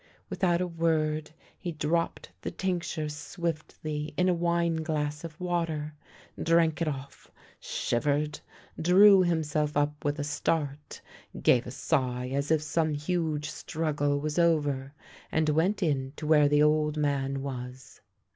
Without a word he dropped the tincture swiftly in a wineglass of water, drank it off, shivered, drew him self up with a start, gave a sigh as if some huge struggle was over, and went in to where the old man was.